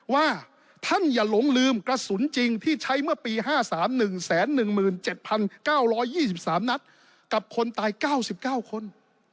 ว่าท่านอย่าหลงลืมกระสุนจริงที่ใช้เมื่อปี๕๓๑๑๗๙๒๓นัดกับคนตาย๙๙คน